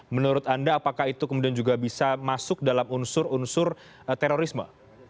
menurut anda apakah itu kemudian juga bisa masuk dalam unsur unsur terorisme